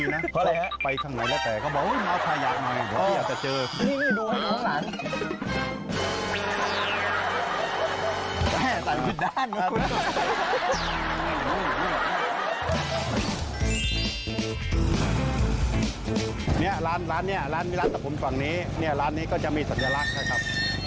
เนี่ยร้านร้านเนี่ยร้านร้านตะผมฝั่งเนี้ยเนี่ยร้านนี้ก็จะมีศัดญตราครับ